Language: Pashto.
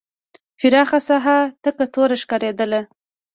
پراخه ساحه تکه توره ښکارېدله.